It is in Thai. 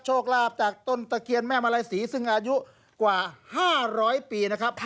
โชคลาภจากต้นตะเคียนแม่มาลัยศรีซึ่งอายุกว่า๕๐๐ปีนะครับ